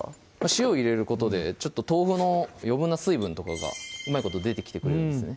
塩を入れることで豆腐の余分な水分とかがうまいこと出てきてくれるんですね